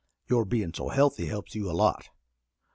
Your bein' so healthy helps you a lot.